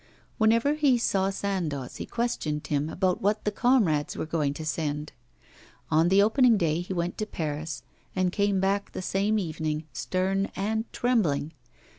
Whenever he saw Sandoz he questioned him about what the comrades were going to send. On the opening day he went to Paris and came back the same evening, stern and trembling.